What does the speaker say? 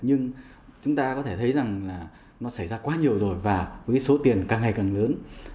nhưng chúng ta có thể thấy rằng là nó xảy ra quá nhiều rồi và với số tiền càng ngày càng lớn